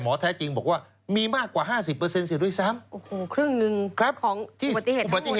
หมอแท้จริงบอกว่ามีมากกว่า๕๐สิด้วยซ้ำ